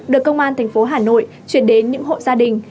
được công an thành phố hà nội chuyển đến những hộ gia đình